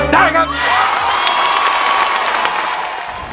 ได้ครับ